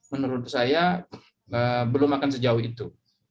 menurut saya belum akan sejauh itu